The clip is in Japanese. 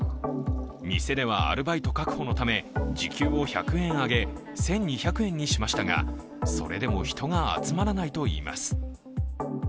店ではアルバイト確保のため時給を１００円上げ１２００円にしましたが、それでも人が集まらないといいます。